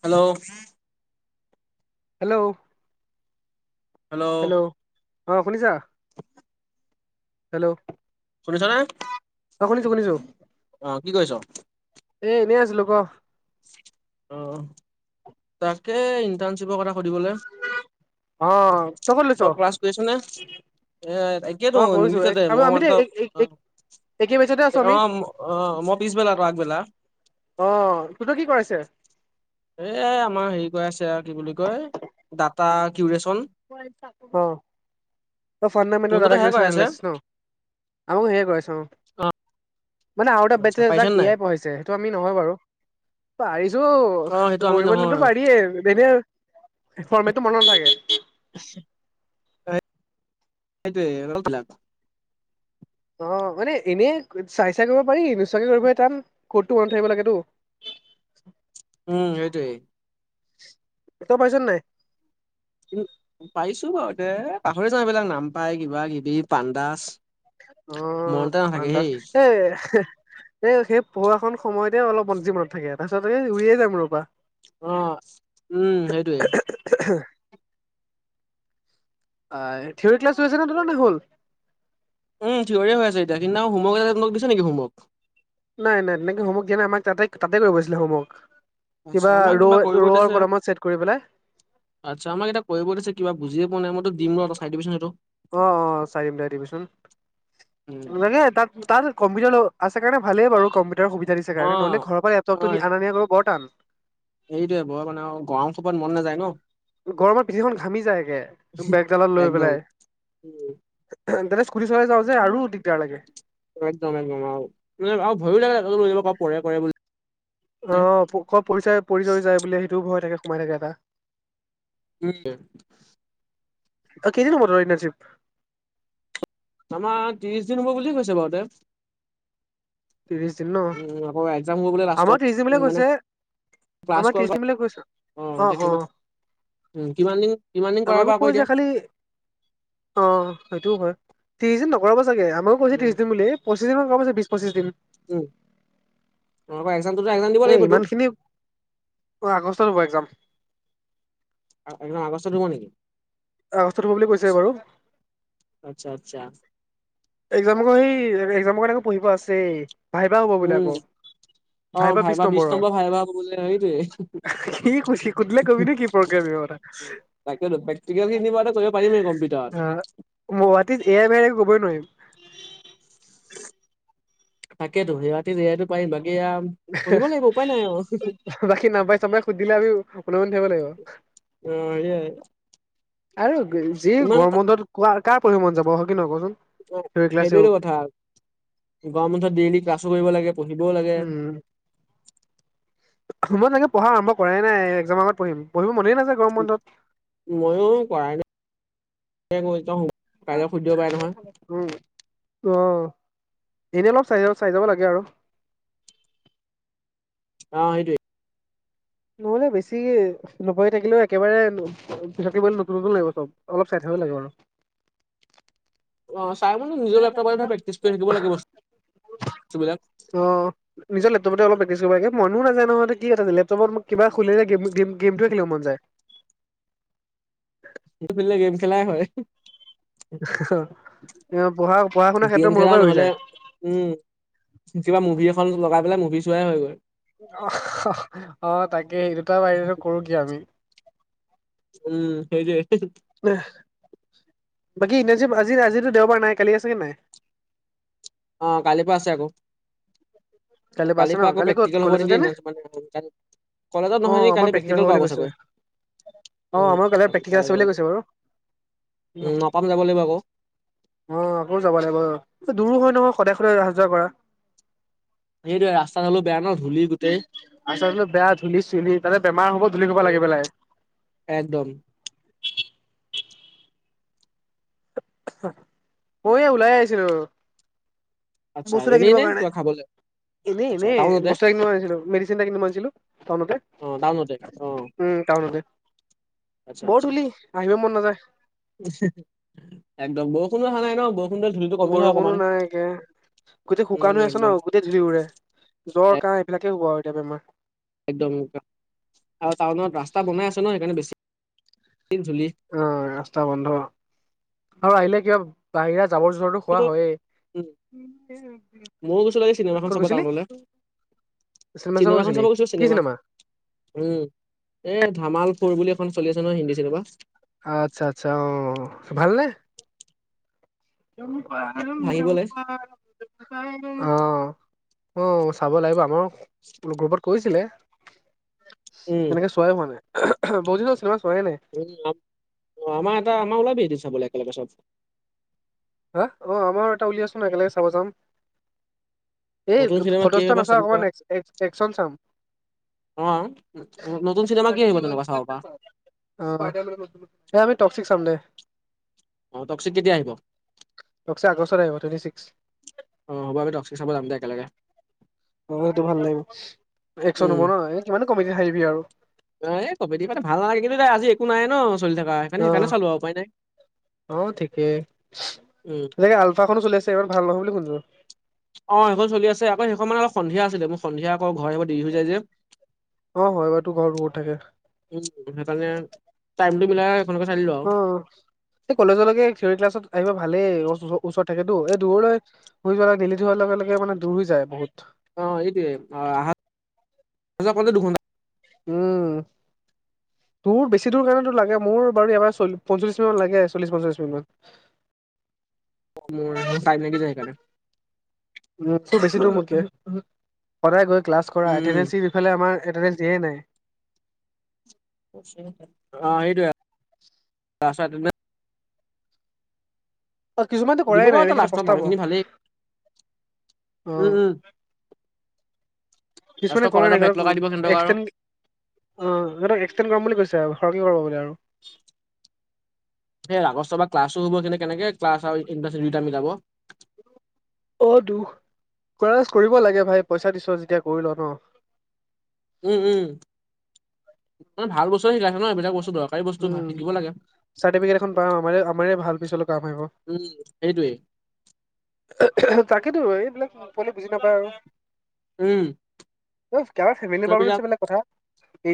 Hello. Hello hello অ শুনিছা hello শুনিছা নে? অঁ শুনিছো শুনিছো। অঁ কি কৰিছ। এ এনেই আছিলো ক অ তাকে ইণ্টাৰ্ণশ্বিপৰ কথা সুধিবলে অ ক'ত লৈছ তই ক্লাছ কৰিছনে এ ত অ তাকেইতো কৰিছো মিনিটতে মই ত অঁ দেখি পাইছে ত অঁ অঁ মই পিছবেলা তই আগবেলা অঁ তোৰতো কি কৰাইছে এই আমাৰ হেৰি কয় আছে আৰু কি বুলি কয় ডাটা কিউৰেচন অঁ ফাডামেণ্টেল দাতা ক্ৰিয়েচন তহঁতৰতো সেয়াই কৰাই এনিৰিয়াইলেচন আছে ন আৰু সেই কৰাইছোঁ। অঁ। মানে আৰু এটা বেট আছে যাক এয়াই পঢ়াইছে সেইটো আমি নহয় বাৰু অ' সেইটো পাৰিছো আমি কৰিব দিলেতো নহয় পাৰিয়ে এনে ফৰ্মেটো মনত নাথাকে আচ্ছা সেইটোৱেই অ মানে এনেই চাই চাই কৰিব পাৰি নোচোৱাকৈ কৰিবহে তান ক'ততো মনত থাকিব লাগেতো [unintelligible] উম সেইটোৱেই। ত পাইছ নাই পাৰিছো বাৰু এ পাহৰি যাওঁ এই বিলাক নাম পায় কিবা কিবি পাণ্ডাস অঁ পাণ্ডাস এ এই সেই পঢ়োৱাখন সময়তে অলপ যি মনত থাকে তাৰপিছত উৰিয়ে যায় মূৰৰ পৰা অঁ উম সেইটোৱেই। হ থিয়ৰী ক্লাছ হৈছে নে তোৰ হ'ল উম থিয়ৰি হৈ আছে এতিয়া সেইদিনাখন হোমৰ্ক তোক দিছে নে হোমৰ্ক নাই নাই তেনেকে হোমৱৰ্ক দিয়া নাই আমাক তাতে তাতে কৰিব দিছিলে হোমৱৰ্ক আচ্ছা কিবা আমাক ৰৌ কৰিব ৰৌৰ দিছে কলমত ছেট কৰি পেলাই আচ্ছা আমাক এতিয়া কৰিব দিছে কিবা বুজিয়ে পোৱা নাই মইতো অঁ অঁ চাই দিম দে দিবিচোন উম লাগে তাত তাত কম্পিটাৰতো আছে কাৰণে ভালেই বাৰু কম্পি টাৰ সুবিধা দিছে কাৰণে নহলে অ'। লেপটপটো আনা নিয়া কৰিব বৰ তান এইটোৱে বৰ মানে গৰমৰ কোবতে মন নাযায় ন গৰমত পিঠিখন ঘামি যায়গে বেগ দালত লৈ একদম। পেলাই উম তাতে স্কুটি চলাই যাওঁ যে আৰু দিগদাৰ লাগে। একদম একদম আৰু আৰু ভয়ো লাগে এনেকুৱা পৰে পৰে বুলি। অ ক পৰিচয় পৰিচয় যায় বোলে সেইটো ভয় থাকে সোমাই থাকে এটা। উম। অ কেইদিন হব তোৰ ইণ্টাৰ্ণশ্বিপ? আমাৰ ত্ৰিশ দিন হ'ব বুলিয়ে কৈছে বাৰু তাত ত্ৰিশ দিন ন উম আকৌ এক্সাম হ'ব বোলে লাষ্টত। আমাৰ ত্ৰিশ দিন বুলি উম মানে কৈছে ক্লাছ আমাৰ কৰা পিছত ত্ৰিশদিন বুলি কৈছে অ' এতিয়া অঁ অঁ। কিমান উম কিমান দিন কিমান দিন কৰাবা কৈ দিয়া। অঁ সেইটোও হয় ত্ৰিশ দিন নকৰাব চাগে আমাৰও কৈছে উম ত্ৰিশ দিন বুলি। পচিচিং কাম আছে বিশ পঁচিশ দিন। উম। অঁ এক একজামতোত একজাম দি এ ইমান খিনিত অ আগষ্টত হ'ব একজাম। এ একজাম আগষ্টত হব নেকি? আগষ্টত হব বুলি কৈছে আচ্ছা বাৰু। আচ্ছা আচ্ছা। একজাম'ক সেই একজামৰ কাৰনে আকৌ পঢ়িব আছেই, ভাইবা হ'ব বোলে উম আকৌ। অ ভাইবা বিশ নম্বৰৰ, নম্বৰ ভাইবা হ'ব বোলে সেইটোৱে কি কৈছি সুধিলে কবি নেকি প্ৰগ্ৰেম এটা। উ। [unintelligible] তাকেতো প্ৰেক্টিকেল কিনিবা এটা কৰিব পাৰিমে কম আ গুৱাহাটীত এয়ামে কবই নোৱাৰিম। থাকেতো সিহঁতি যিহেতো পাৰিম বাকী এয়া এহে পঢ়িব লাগিব উপায় নাই আৰু অ হে বাকী নাপাই-চাবাই সুধিলে আমি উলমনি থাকিব লাগিব। অ সেয়াই। আৰু যি ইমান গৰম বন্ধত কোৱা কাৰ পঢ়িব মন যাব হয় কি নহয় কচোন? থিয়ৰী ক্লাছ সেইটোয়েটো কথা, গৰম বন্ধত ডেইলি ক্লাছো কৰিব লাগে, পঢ়িবও লাগে। হ মই চাগে পঢ়া আৰম্ভ কৰাই নাই, একজাম আগত পঢ়িম, পঢ়িব মনেই নাযায় গৰম বন্ধত। ময়ো কৰাই নাই কক [inaudible] সুধিব পাৰে নহয়। উম অ এনেই অলপ চাইযাও চাই যাব লাগে আৰু। অ সেইটোৱে। নহলে বেছি নপঢ়ি থাকিলেও একেবাৰে থাকিবলে নতুন নতুন লাগিব চব অলপ চাই থাকিব লাগে আৰু। অ চাই মানে নিজৰ লেপটপত প্ৰেক্টিছ কৰি থাকিব লাগিব বস্তুবিলাক। অ', নিজৰ লেপটপতে অলপ প্ৰেক্টিছ কৰিব লাগে, মনো নাজায় নহয় কি এটা লে টবত মোক কিবা খুলিলে গেম - গেম - গেমটো খেলিবলৈ মন যায়। হে ফুলে গেম খেলাই হয় হিহি। এ হহ পঢ়া - পঢ়া - শুনাৰ গেম ক্ষেত্ৰত খেলা মূৰৰ পৰা ৰৈ নহ'লে যায়। উম, কিবা মুভি এখন লগাই পেলাই মুভি চোৱাই হৈ গৈ। অহ অ তাকে সেই দুটাৰ বাহিত কৰো কি আমি? উম সেইতোযে হে বেহ বাকী ইন্টানচিপ আজি-আজিতো দেওবাৰ নাই কালি আছে কি নাই? অ কালিৰ পৰা আছে আকৌ। কাইলৈ পা আছে কালিৰ পৰা ন' আকৌ কালি ক'ত প্ৰেক্টিকেল হ'ব কলেজতে নেকি নে? [inaudible] কলেজত অ নহয় নি আমাৰ কাইলে হ'ব প্ৰেক্টিকেল বুলি কৰাব কৈছে চাগৈ? অ আমাৰ কাইলৈ উম প্ৰেক্টিকেল তালৈ আছে যাব বুলিয়ে লাগিব, কৈছে বাৰু উম নাপাম যাব লাগিব আকৌ। অ আকৌ যাব লাগিব, দূৰো হয় নহয় সদায় সদায় অহা - যোৱা কৰা। সেইটোৱে ৰাছ আচাতোত বেয়া ধূলি-চুলি তাতে বেমাৰ হ'ব ধূলি সোপা লাগি পেলাই। একদম। ময়ো ওলাই আহিছিলো। আচ্ছা, এনে নে কিবা খাবলে? এনেই-এনেই বস্তু এটা কিনিব আছিলো। মেডিচিন এটা কিনিব আহিছিলো টাউনতে। অ টাউনতে অ উম' টাউনতে, আচ্ছা বৰ আচ্ছা ধূলি আহিবই মন নাযায়। একদম বৰষুণো অহা নাই ন বৰ বৰষুণো নাই একে, গোটেই শুকান উম হৈ আছ একদম ন গো এতিয়া ধূলি উৰে, জ্বৰ, কাহ এইবিলাকে হ'ব আৰু এতিয়া বেমাৰ। একদম আৰু টাউনত ৰাস্তা বনাই আছে ন, সেইকাৰণে বেছি ধূলি অ, ৰাস্তা বন্ধ আৰু আহিলে কিবা বাহিৰা জাবৰ-জোথৰ খোৱা হয়েই, উম ময়ো গৈছিলো আজি চিনেমাখন ক'ত চাব গৈছিলি? টাউনলৈ চিনেমা চাব গৈছিলি? কি চিনেমা? উম, এ ধামাল ফ'ৰ বুলি এখন চলি আছে নহয় হিন্দী চিনেমা। আচ্ছা-আচ্ছা অ, ভাল নে? জম্পানম হাঁহিবলে জম্পানম [unintelligible] অ-অ, চাব লাগিব, আমাৰ গ্ৰুপত কৈছিলে। উম, এনেকে চোৱাই হোৱা নাই। বহু দিন হ'ল চিনেমা চোৱা হোৱাই নাই। উম' আমাৰ এটা আমাৰ ওলাবি এদিন চাবলে, একেলগে চব। হা অ, আমাৰ এটা উলিয়াচোন একেলগে চাব যাম। এই নতুন চিনেমা কি ফটোৱা-ছটোৱা আহিব চাব নাচাওঁ, পৰা অকল এক্সন চাম। অ, নতুন চিনেমা কি আহিব তেনেকুৱা চাব পৰা? অ, এই আমি টক্সিক চাম দে। অ, টক্সিক কেতিয়া আহিব? টক্সিক আগষ্ট আহিব, টুৱেটি ছিক্স। অ' হ'ব আমি টক্সিক চাব যাম দে একেলগে। অ, সেইটো ভাল লাগিব। একচন হ'ব ন, এই কিমাননো কমিডিত হাহিবি আৰু। এ এই কমেডি মানে ভাল নালাগে। কিন্তু এতিয়া আজি একো নাই ন চলি থকা। অ সেইকাৰণে-সেইকাৰণে চালো আৰু উপায় নাই। অ' ঠিকেই, উম, যেনেকে আলফা খনো চলি আছে, ইমান ভাল নহ'ব বুলি শুনিছো। অ, সেইখন চলি আছে, আকৌ সেইখন মানে অলপ সন্ধিয়া আছিলে, মোৰ সন্ধিয়া আকৌ ঘৰ আহিব দেৰি হৈ যায় যে। অ' হয় বাৰু, তোৰ ঘৰ বহুত থাকে। উম' সেইকাৰণে টাইমটো মিলাই সেইখনকে চাই দিলো আৰু অ'এই কলেজলৈকে থিয়ৰি ক্লাছত আহিব ভালেই, ওচৰত থাকেতো এই দূৰলৈ হৈ যোৱা আৰু দিলিত হোৱাৰ লগে-লগে মানে দূৰ হৈ যায় বহুত। অ, এইটোয়ে অ, প দুঘণ্টা উম' তোৰ বেছি দূৰ কাৰণেতো লাগে, মোৰ বাৰু ইয়াৰ পৰা পঞ্চল্লিছ মিনিট লাগে, চল্লিছ পঞ্চলিছ মিনিট মান। মোৰ টাইম লাগি যায় সেইকাৰণে। উম' মোতকে বেছি দূৰ তোমাৰকে, সদায় গৈ ক্লাছ কৰা, উম, উম, এতেন্দেছি আমাৰ ইফালে এতেন্দেছ দিয়াই নাই। অ, সেইটোৱে আৰু [unintelligible] অ, কিছুমানতো দিব কৰাই বাৰু নাই, ত সিহঁতে লাষ্টৰ প্ৰস্তাব। অ' মানুহখিনি ভালেই। উম উম কিছুমানে লাষ্টৰ কৰা কলেজৰ নাই। বেগ ধৰক লগাই দিব সিহঁতক আৰু এক্সে অ, সিহঁতক এক্সটেণ্ড কৰাম বুলি কৈছে আৰু খৰকে কৰাব বোলে আৰু। এ আগষ্টৰ পৰা ক্লাছো হ'ব, সি নো কেনেকে ক্লাছ আৰু ইনভাৰ্চিতি দুয়োটা মিলাব। অ, দুখ তই কৰিব লাগে, ভাই পইচা দিছ যেতিয়া কৰি ল ন। উম-উম মানে ভাল বস্তুৱে শিকাইছে ন, এইবিলাক বস্তু দৰকাৰী বস্তু উম শিকিব লাগে। চাৰ্টিফিকেট এখন পাম, আমাৰে-আমাৰে ভাল, পিছলৈ কাম আহিব। উম' সেইটোৱেই। তাকেতো এইবিলাক পোৱালিয়ে বুজি নাপায় আৰু। উম' তাৰ ফেমেলি সেইবিলাক প্ৰব্লেমছে বেলেগ কথা,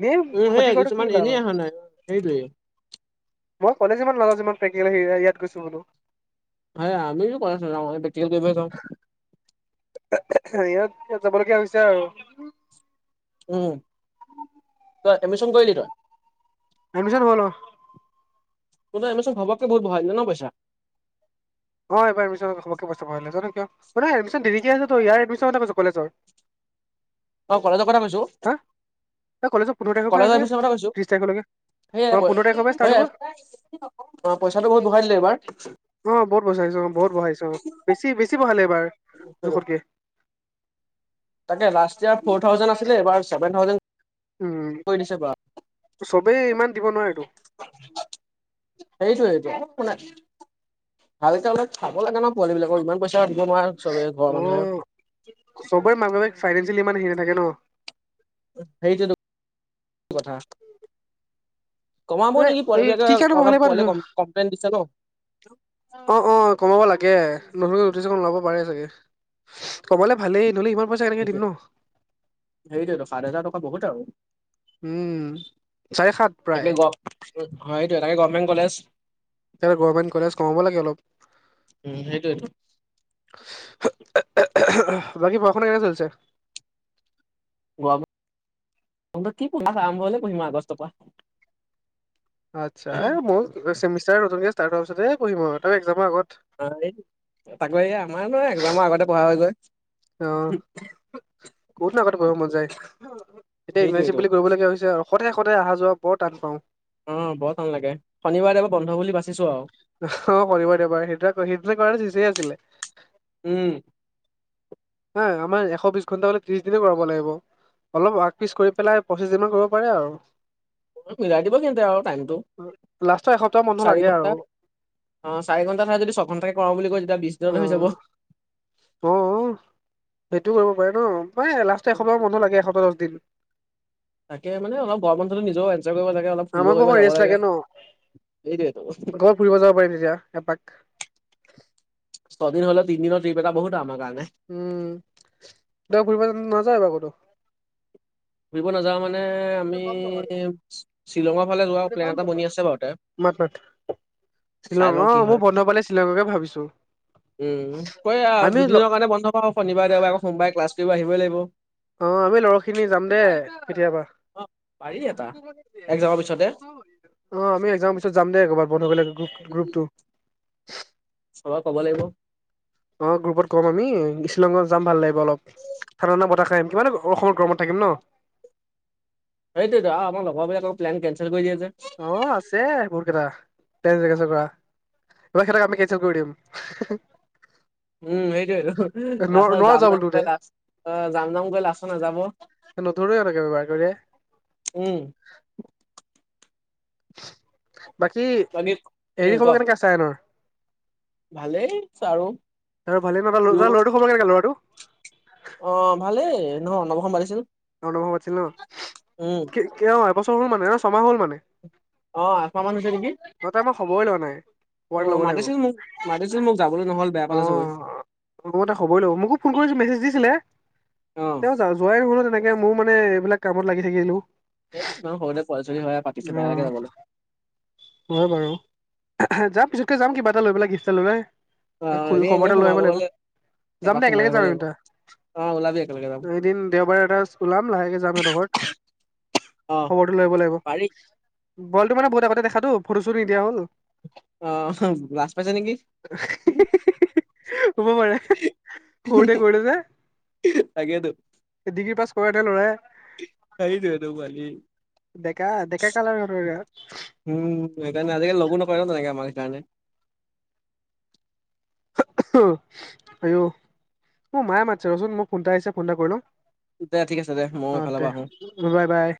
এনেই খতি কৰাটো কি লাভ। সেইটোৱেই। [unintelligible] মোৰ কলেজ যিমান, ল'ৰা যিমান প্ৰেক্টিকেল আহি ইয়াত কইছো বোলো। সে আমিও কলেজ নাযাওঁ, প্ৰেক্টিকেল কৰিবলে সে যাওঁ। এহ এহ এহ ইহত যাব লগীয়া হৈছে আৰু। উমঁ তই এডমিশ্যন কৰিলি তই? এডমিছন হৈ ল' তহঁতৰ এডমিশ্যন ভবাত কে বহুত বঢ়াই দিলে ন পইচা। অ এইবাৰ এডমিচণ [inaudible] ন কিয় এমিন দি আছে ইয়াৰ এডমিছন কলেজৰ অ কলেজৰ কথা কৈছোঁ? হা! এই কলেজত পোন্ধৰ তাৰিখৰ পৰা আছে এডমিশ্যনৰ কথা কৈছো ত্ৰিশ তাৰিখলৈকে। অ সেয়াই প পোন্ধৰ তাৰিখৰ পৰা ষ্টাৰ্ট সেয়াই, হ'ব অ পইচাটো ঘহুত বহাই দিলে এইবাৰ। অ বহুত বচাইছোঁ অ বহুত বহাইছো অ, বেছি বেছি বহালে এইবাৰ জোখতকে? তাকে লাষ্ট ইয়েৰ ফৰ থাউজেণ্ড আছিল এইবাৰ চেভেন থাউজেণ্ড উমঁ। কৈ দিছো বা চবেই ইমান দিব নোৱাৰেটো? সেইটোৱেইটো শুনা ভালকে অলপ খাব লাগে ন, পোৱালিবিলাকৰ ইমান পইচা দিব নোৱাৰে। চবে ঘৰৰ মানুহে অঁ চবৰে মাক - বাপেক ফাইনেন্সিয়েলি ইমান হেৰি নাথাকে ন? সেইটোতো কথা। কমাব নেকি এই কি পোৱালবিলাকক কাৰণে অলপ, বঢ়ালে এইবাৰ পোৱালি কম কমপ্লেইন দিছে ন? অঁ অঁ কমাব লাগে, নতুনকৈ নটিছ এখন ওলাব পাৰে চাগে? ইছ কবলে ভালেই নহ'লে ইমান পইচা কেনেকৈ দিম ন? সেইটোৱেইটো সাত হাজাৰ টকা বহুত আৰু। উমঁ, চাৰে সাত প্ৰায়। উম হয়টো, তাকে গভমেণ্ট কলেজ। তাকে গভমেণ্ট কলেজ কমাব লাগে অলপ? উম সেইটোৱেটো চু হ অ অ অহ বাকী পঢ়া শুনা কেনে চলিছে? গৰম বন্ধত কি পঢ়িম আৰম্ভ হ'লে পঢ়িম আগষ্টৰ পৰা। আচ্ছা, এ মইও চেমিষ্টাৰ নতুনকে ষ্টাত হোৱাৰ পিছত এ পঢ়িম আৰু ত একজামৰ আগত অঁ এই তাকে এই আমাৰ নো একজামৰ আগতে পঢ়া হয় যে? অঁ, ক'তনো আগতে পঢ়িব মন যায় এতিয়া ইণ্টাৰ্ণচিপ সেইটোৱেটো বুলি কৰিব লগীয়া হৈছে আৰু। সদায় সদায় অহা যোৱা বৰ টান পাওঁ। অঁ বৰ টান লাগে। শনিবাৰে- দেওবাৰে বন্ধ বুলি বাচিছো আৰু। অঁহ শনিবাৰে- দেওবাৰে সেইদুটা সেইদিনা কৰা হ'লে চিচেই আছিলে। উমঁ। এ আমাৰ এশ বিশ ঘণ্টা মানে ত্ৰিশ দিনে কৰাব লাগিব। অলপ আগ পিচ কৰি পেলাই পঁচিশ দিন মান কৰিব পাৰে আৰু। উম মিলাই দিব কিন্তু আৰু টাইমটো। লাষ্টৰ এসপ্তাহ ম চাৰি ঘণ্টা, অঁ চাৰি ঘণ্টা ঠাইত যদি ছঘন্টাকে কৰাওঁ বুলি কয় যেতিয়া বিশ দিনতে হৈ যাব। অঁ সেইটো কৰিব পাৰে ন, মানে লাষ্টৰ এসপ্তাহ মান বন্ধ লাগে এসপ্তাহ দচদিন। তাকে মান অলপ গৰম বন্ধটো নিজও এঞ্জয় কৰিব লাগে অলপ। ফুৰিব আমাকো কৰিব অকণ যাব ৰেষ্ট লাগে, ন সেইটোৱেইটো। ঘৰত ফুৰিব যাব পাৰিম তেতিয়া এপাক। ছয়দিন হ'লেও তিনিদিনৰ ট্ৰিপ এটা বহুত আমাৰ কাৰণে। উমঁ তই ঘুৰিব নাযায় এবাৰ কতো? ফুৰিব নাযাওঁ মা নে আমি শ্বি শ্বিলঙৰ ফালে যোৱা প্লেন এটা বনি আছে বাৰুতে। মাত মাত। চাই শ্বিলং লওঁ অঁ কি মোৰ হয়। বন্ধ পালে শ্বিলঙকে ভাবিছোঁ। উম, কৈ আ দুদিনৰ কাৰনে বন্ধ পাব শনিবাৰ- দেওবাৰে আকৌ সোমবাৰে ক্লাছ কৰিব আহিবই লাগিব। অ আমি ল'ৰাখিনি যাম দে কেতিয়াবা অ পাৰি এটা একজামৰ পিছতে অ আমি একজাম পিছত যাম দে কবাত বন্ধ পালে গ্ৰুপ উম, গ্ৰুপটো চবক ক'ব লাগিব। অঁ গ্ৰুপত ক'ম আমি, শ্বিলঙত যাম ভাল লাগিব অলপ। ঠাণ্ডা - ঠাণ্ডা বতাহ খাই আহিম। কিমান আকৌ অসমৰ গৰমত থাকিম ন? সেইটোৱেইটো আমাৰ লগৰ বোৰে আকৌ প্লেন কেনচেল কৰি দিয়ে যে। অ আছে বহুতকেইটা টেন জেগেচন কৰা ত হেঁতক আমি কেনচেল কৰি দিম। উম সেইটোৱেইটো, নোৱাৰ তাছত নোৱাৰ যাম যাব যাম কৈ তোহঁতে লাষ্ট- অ যাম যাম কৈ লাষ্টত নাযাব। সৰুৱে থাকে অ বাৰ কৰিলে উম বাকী উম এৰি ক খবৰ কেনেকা চাইনৰ ভালেই আৰু তাৰ ভালেই ন ত কিয় তাৰ ল'ৰাটো খবৰ কেনেকা ল'ৰাটো অ ভালেই ন অন্নপ্ৰশন পাতিছিল অন্নপ্ৰশন পাতিছিল ন উম কি অ এবছৰ হ'ল মানে অ ছমাহ হ'ল মানে অ আঠ মাহ মান হৈছে নেকি তহঁতে মই খবই লোৱা নাই অ খবৰটো ল'ব লাগিব মাতিছিল মোক মাতিছিল মোক যাবলৈ নহ'ল বেয়া পালে চাগৈ অ তা খবই লব মোকো ফোন কৰিছিলে মেছেজ দিছিলে অ তেওঁ যা যোৱাই হোৱাই নহল ন তেনে কে মও মানে এইবিলাক কামত লাগি থাকিলো এ ইমান সৰুতে পোৱলি ছোৱালী হয় আও পাতিছে অ বেয়া লাগে যাবলে হয় বাৰু যাম পিছতকে যাম কিবা এটা লৈ পেলাই গিফ্ট এটা লৈ পেলাই অ খ এ খবৰ এনে এটা লৈ সোমাব আহিব লাগিব গলে যাম এপাক দে সোমাই একেলগে আহিব যাম আমি লাগিব দুটা অ ওলাবি একেলগে যাম অ এদিন দেওবাৰে এটা ওলাম লাহেকে যাম সিহঁতৰ ঘৰত অ খবৰতো লৈ আহিব লাগিব পাৰি বলটো মানে বহুত আগতে দেখাতো ফটো চতো নিদিয়া হ'ল অ হ লাজ পাইছে নেকি হি হব পাৰে সৰুতে কৰিলে যে হি তাকেতো ডিগ্ৰী পাছ কৰা এটা ল'ৰাই সেইটো সেইটো পোৱালি ডেকা ডেকা কালৰ ল'ৰা উম সেইকাৰণে আজিকালি লগো নকৰে ন তেনেকে আমাক সেইকাৰণে হো ওহো হয় উ মোক মায়ে মাতিছে ৰচোন মোক ফোন এটা আহিছে ফোন এটা কৰি লও দে ঠিক আছে দে মই অ এইফালৰ দে পৰা আহো বাই বাই।